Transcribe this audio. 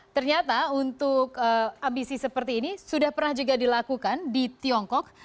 ternyata untuk ambisi seperti ini sudah pernah juga dilakukan di tiongkok